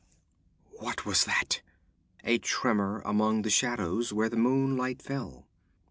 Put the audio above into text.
What was that? A tremor among the shadows where the moonlight fell.